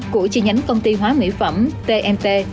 của chi nhánh công ty hóa mỹ phẩm tnt